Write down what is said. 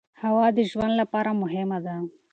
هوا د ژوند لپاره مهمه ده.